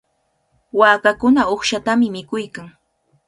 Waakakuna uqshatami mikuyan.